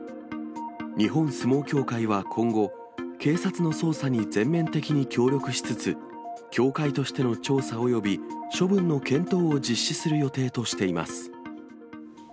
日本相撲協会は今後、警察の捜査に全面的に協力しつつ、協会としての調査および処分の検討を実施する予定としています。